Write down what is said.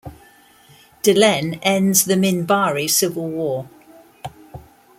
Delenn ends the Minbari civil war.